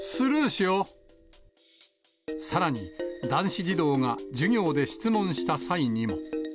さらに男子児童が授業で質問した際にも。